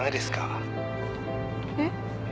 えっ？